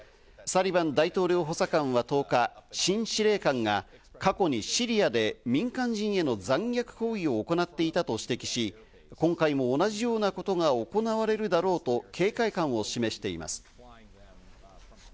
サリバン大統領補佐官は１０日、新司令官が過去にシリアでも民間人への残虐行為を行っていたと指摘し、今回も同じようなことが行われるだろうと警戒感を示しています。